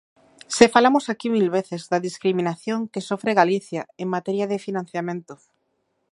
¡Se falamos aquí mil veces da discriminación que sofre Galicia en materia de financiamento!